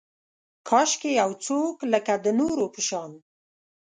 کاشکي یو څوک لکه، د نورو په شان